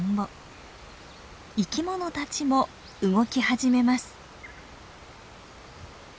生き物たちも動き始めます。